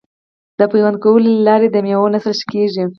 د پیوند کولو له لارې د میوو نسل ښه کیږي.